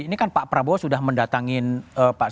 ini kan pak prabowo sudah mendatangin pak jokowi